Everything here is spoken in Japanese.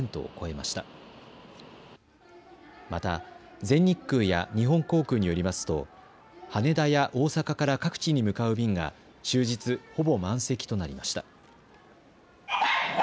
また、全日空や日本航空によりますと羽田や大阪から各地に向かう便が、終日ほぼ満席となりました。